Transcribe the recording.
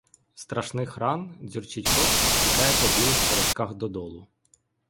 З страшних ран дзюрчить кров і стікає по білих сорочках додолу.